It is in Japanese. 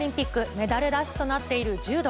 メダルラッシュとなっている柔道。